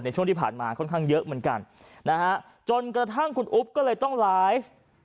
ช่วงที่ผ่านมาค่อนข้างเยอะเหมือนกันนะฮะจนกระทั่งคุณอุ๊บก็เลยต้องไลฟ์